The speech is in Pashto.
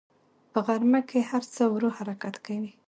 په غرمه کې هر څه ورو حرکت کوي